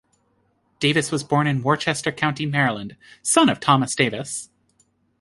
Davis was born in Worcester County, Maryland, son of Thomas Davis.